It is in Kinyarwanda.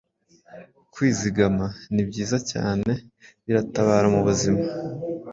kwizigama nibyiza cyane biratabara mubuzima